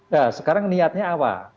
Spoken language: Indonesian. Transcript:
ya sekarang niatnya apa